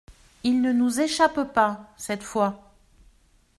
Il ne nous échappe pas, cette fois.